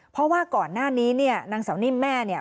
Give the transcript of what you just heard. เพราะว่าก่อนหน้านี้เนี่ยนางสาวนิ่มแม่เนี่ย